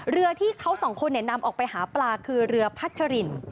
เรือที่เขาสองคนนำออกไปหาปลาคือเรือพัชริน